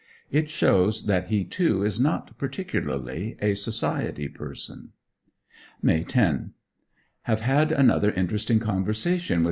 It shows that he, too, is not particularly a society person. May 10. Have had another interesting conversation with M.